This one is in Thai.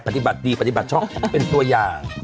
ปฏิบัติดีปฏิบัติช็อกตัวจะอย่าง